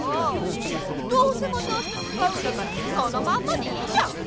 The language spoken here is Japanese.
どうせまたあしたつかうんだからそのまんまでいいじゃん！